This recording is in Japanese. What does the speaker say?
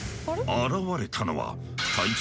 現れたのは体長